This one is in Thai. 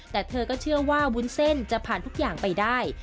แต่เธอก็เชื่อว่าวุ้นเส้นจะผ่านทุกอย่างไปได้